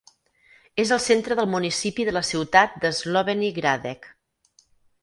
És el centre del municipi de la ciutat de Slovenj Gradec.